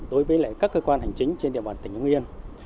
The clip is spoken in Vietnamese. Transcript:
đối với các cơ quan hành chính trên địa bàn tỉnh hưng yên